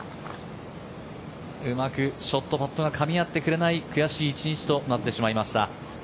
うまくショットパットがかみ合ってくれない悔しい１日となってしまいました。